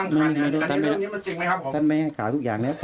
แล้วเรื่องนี้มันจริงไหมครับผมท่านไม่ให้ข่าวทุกอย่างนะครับพอ